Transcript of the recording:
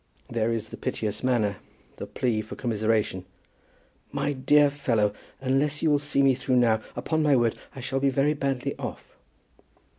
There is the piteous manner, the plea for commiseration. "My dear fellow, unless you will see me through now, upon my word I shall be very badly off."